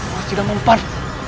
masih dalam mempan